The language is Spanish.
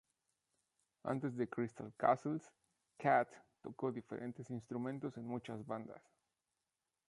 Antes de Crystal Castles, Kath tocó diferentes instrumentos en muchas bandas.